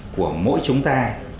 của mỗi chúng ta